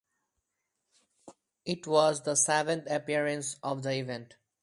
It was the seventh appearance of the event.